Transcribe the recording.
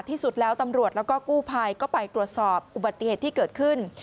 ที่สุดแล้วตำรวจแล้วก็กู้ภัยก็ไปตรวจสอบอุบัติเหตุที่เกิดขึ้น